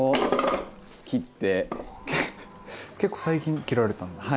結構最近切られたんですか？